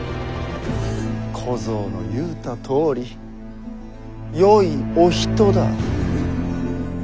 小僧の言うたとおりよいお人だ。